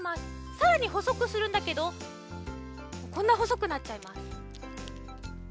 さらにほそくするんだけどこんなほそくなっちゃいます。